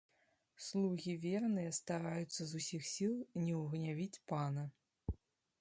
Слугі верныя стараюцца з усіх сіл не ўгнявіць пана.